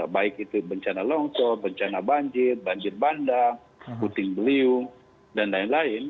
baik itu bencana longsor bencana banjir banjir bandang puting beliung dan lain lain